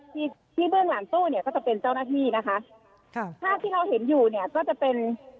ที่ที่เบื้องหลังตู้เนี่ยก็จะเป็นเจ้าหน้าที่นะคะค่ะภาพที่เราเห็นอยู่เนี่ยก็จะเป็น